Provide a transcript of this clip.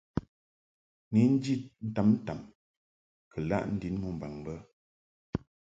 Ni njid ntamtam kɨ laʼ ndin mumbaŋ bə.